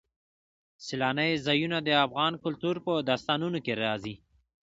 سیلانی ځایونه د افغان کلتور په داستانونو کې راځي.